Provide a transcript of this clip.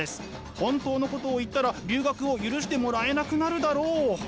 本当のことを言ったら留学を許してもらえなくなるだろう。